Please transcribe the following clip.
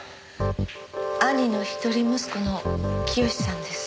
兄の一人息子の聖さんです。